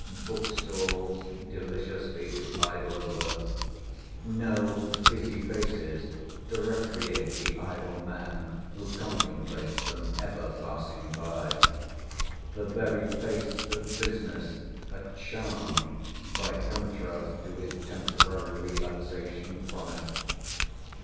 No book stalls deliciously to idle over—No busy faces to recreate the idle man who contemplates them ever passing by—the very face of business a charm by contrast to his temporary relaxation from it.